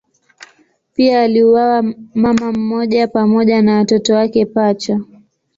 Pia aliuawa mama mmoja pamoja na watoto wake pacha.